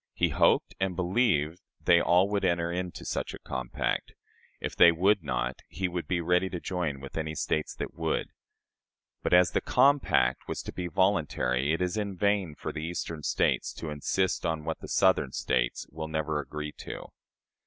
He hoped and believed they all would enter into such a compact. If they would not, he would be ready to join with any States that would. But, as the compact was to be voluntary, it is in vain for the Eastern States to insist on what the Southern States will never agree to."